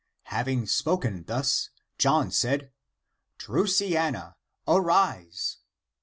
Having spoken thus, John said, " Drusiana, arise